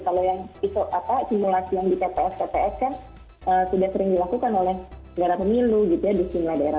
kalau yang diisolasi di ps sudah sering dilakukan oleh negara pemilu gitu ya di simula daerah